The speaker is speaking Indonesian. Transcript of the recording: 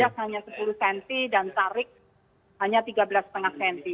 bajat hanya sepuluh senti dan tarik hanya tiga belas setengah senti